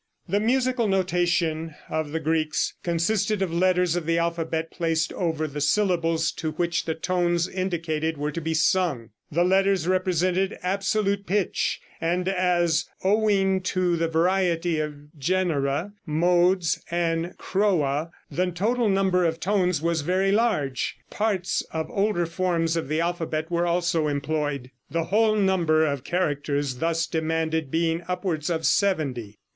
The musical notation of the Greeks consisted of letters of the alphabet placed over the syllables to which the tones indicated were to be sung. The letters represented absolute pitch, and as, owing to the variety of genera, modes and chroa, the total number of tones was very large, parts of older forms of the alphabet were also employed, the whole number of characters thus demanded being upwards of seventy.